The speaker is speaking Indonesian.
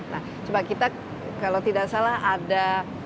nah coba kita kalau tidak salah ada